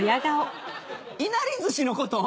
いなり寿司のこと？